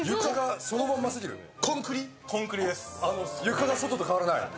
床が外と変わらない！